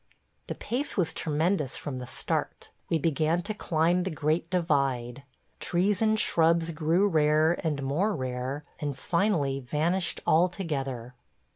The pace was tremendous from the start. ... We began to climb the Great Divide. Trees and shrubs grew rare and more rare, and finally vanished altogether.